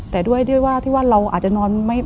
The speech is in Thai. แต่ด้วยว่าที่ว่าเราอาจจะนอนไม่